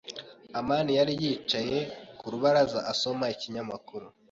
amani yari yicaye ku rubaraza, asoma ikinyamakuru.